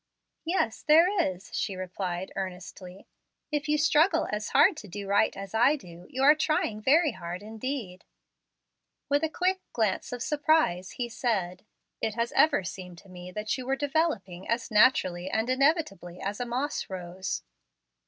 "Yes, there is," she replied earnestly. "If you struggle as hard to do right as I do, you are trying very hard indeed." With a quick glance of surprise he said, "It has ever seemed to me that you were developing as naturally and inevitably as a moss rose."